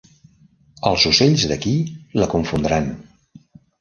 Els ocells d'aquí la confondran.